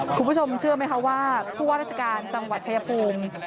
คุณผู้ชมเชื่อไหมคะว่าผู้ว่าราชการจังหวัดชายภูมิ